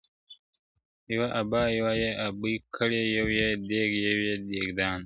یو ابا یوه ابۍ کړې یو یې دېګ یو یې دېګدان کې-